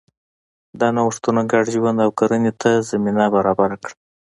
دا نوښتونه ګډ ژوند او کرنې ته زمینه برابره کړه.